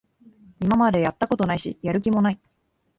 今までやったことないし、やる気もない